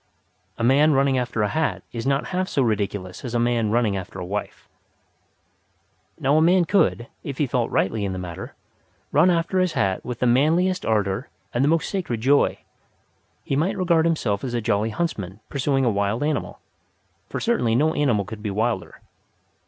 A man running after a hat is not half so ridiculous as a man running after a wife. Now a man could, if he felt rightly in the matter, run after his hat with the manliest ardour and the most sacred joy. He might regard himself as a jolly huntsman pursuing a wild animal, for certainly no animal could be wilder.